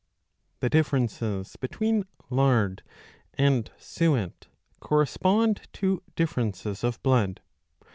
The differences between lard and suet correspond to differences of blood.